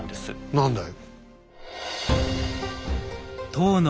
何だい？